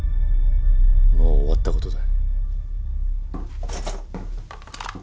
もう終わった事だ。